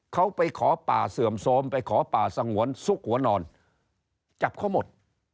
เขาไปขอป่าเสื่อมโทรมไปขอป่าสงวนซุกหัวนอนจับเขาหมด